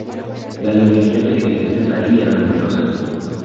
Las librerías existentes ahí eran numerosas.